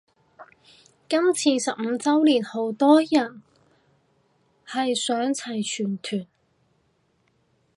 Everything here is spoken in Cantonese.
今次十五周年好多人係想齊全團